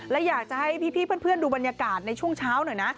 และอยากจะให้พี่เพื่อนดูบรรยากาศในช่วงเช้าหน่อยนะ